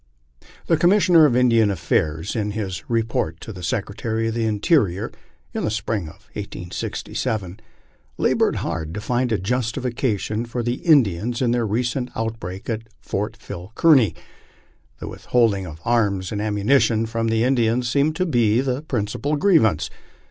The Commissioner of Indian Affairs, in his re port to the Secretary of the Interior in the spring of 1867, labored hard to find a justification for the Indians in their recent outbreak at Fort Phil Kearny. The withholding of arms and ammunition from the Indians seemed to be the principal grievance.